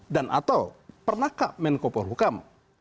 dan atau pernahkah menko pol hukum